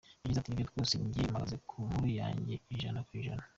Yagize ati "Nibyo rwose njye mpagaze ku nkuru yanjye ijana ku ijana.